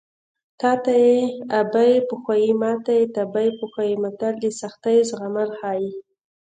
تاته یې ابۍ پخوي ماته یې تبۍ پخوي متل د سختیو زغمل ښيي